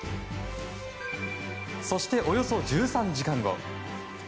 そして、およそ１３時間後。